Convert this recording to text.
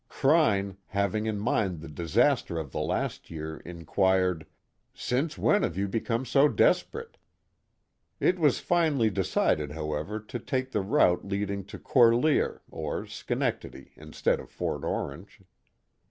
Kryn, having in mind the disaster of the last year, inquired, Since when have you become so des perate ?" It was finally decided, however, to take the route leading to Corlear, or Schenectady, instead of Fort Orange.